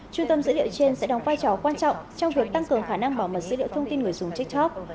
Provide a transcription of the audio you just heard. trung tâm dữ liệu trên sẽ đóng vai trò quan trọng trong việc tăng cường khả năng bảo mật dữ liệu thông tin người dùng tiktok